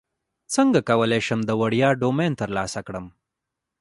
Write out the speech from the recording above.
څنګه کولی شم د وړیا ډومین ترلاسه کړم